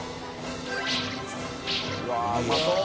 うわっうまそう！